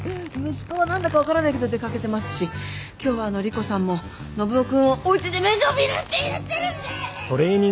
息子は何だか分からないけど出掛けてますし今日はあの莉湖さんも信男君をおうちで面倒見るって言ってるんで。